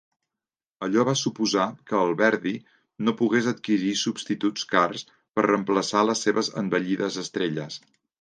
Allò va suposar que el Verdy no pogués adquirir substituts cars per reemplaçar les seves envellides estrelles.